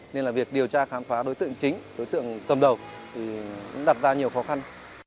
nên là việc điều tra khám phá đối tượng chính đối tượng cầm đầu thì cũng đặt ra nhiều khó khăn